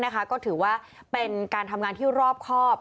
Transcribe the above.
ก็ถือว่าเป็นการทำงานที่รอบครอบ